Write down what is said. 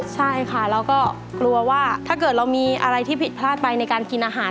ใช่ค่ะเราก็กลัวว่าถ้าเกิดเรามีอะไรที่ผิดพลาดไปในการกินอาหาร